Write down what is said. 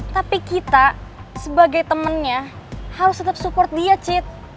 tapi kita sebagai temennya harus tetep support dia cid